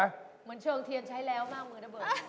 เหมือนเชิงเทียนใช้แล้วมวงเบอร์